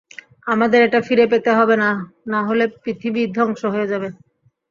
আমাদের এটা ফিরে পেতে হবে না হলে পৃথিবী ধ্বংস হয়ে যাবে।